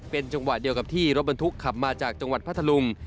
เป็นจังหวะเดียวกับที่รถบรรทุกขับมาจากจังหวัดพัทธลุง